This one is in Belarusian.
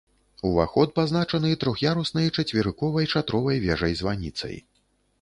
Уваход пазначаны трох'яруснай чацверыковай шатровай вежай-званіцай.